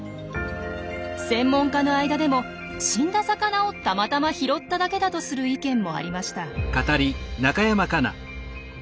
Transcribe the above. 専門家の間でも「死んだ魚をたまたま拾っただけだ」とする意見もありました。